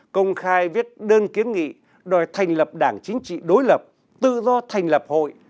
công khai viết đơn kiến nghị đòi thành lập đảng chính trị đối lập tự do thành lập hội